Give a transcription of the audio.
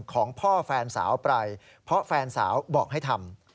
ของพ่อแฟนสาวไปเพราะแฟนสาวบอกให้ทำ